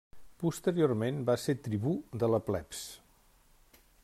Posteriorment va ser tribú de la plebs.